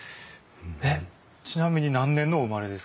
えっちなみに何年のお生まれですか？